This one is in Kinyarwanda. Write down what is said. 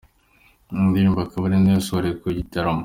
Iyi ndirimbo akaba ari nayo yasorejeho muri iki gitaramo.